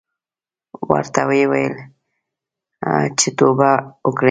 ورته ویې ویل چې توبه وکړې.